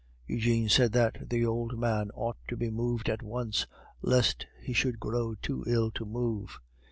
Eugene said that the old man ought to be moved at once, lest he should grow too ill to move.